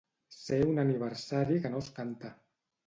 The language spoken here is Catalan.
Ser un aniversari que no es canta.